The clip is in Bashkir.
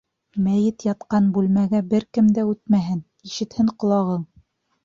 Мәйет ятҡан бүлмәгә бер кем дә үтмәһен, ишетһен ҡолағың.